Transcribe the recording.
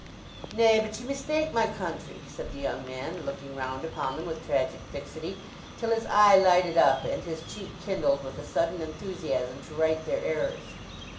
"Nay, but ye mistake my country," said the young man, looking round upon them with tragic fixity, till his eye lighted up and his cheek kindled with a sudden enthusiasm to right their errors.